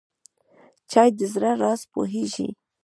چای د زړه راز پوهیږي.